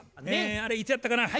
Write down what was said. あれいつやったかな？